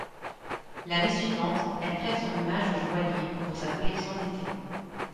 L'année suivante, elle prête son image au joaillier pour sa collection d'été.